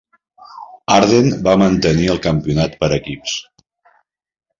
Arden va mantenir el campionat per equips.